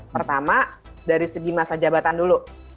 pertama dari segi masa jabatan dulu